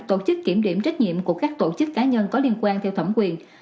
tổ chức kiểm điểm trách nhiệm của các tổ chức cá nhân có liên quan theo thẩm quyền